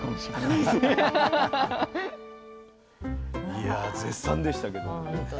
いや絶賛でしたけども。